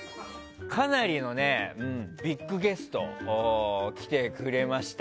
かなりのね、ビッグゲスト来てくれました。